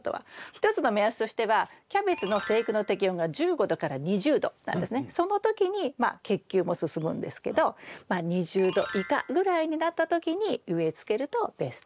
一つの目安としてはその時に結球も進むんですけどまあ２０℃以下ぐらいになった時に植え付けるとベスト。